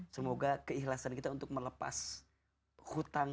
semoga keikhlasan kita untuk melepas hutang